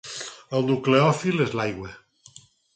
El nucleòfil és l'aigua.